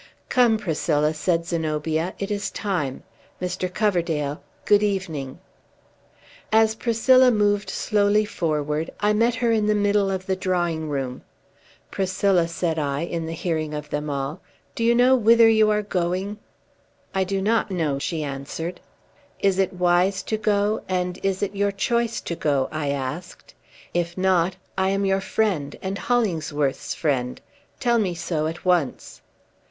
"Come, Priscilla," said Zenobia; "it is time. Mr. Coverdale, good evening." As Priscilla moved slowly forward, I met her in the middle of the drawing room. "Priscilla," said I, in the hearing of them all, "do you know whither you are going?" "I do not know," she answered. "Is it wise to go, and is it your choice to go?" I asked. "If not, I am your friend, and Hollingsworth's friend. Tell me so, at once."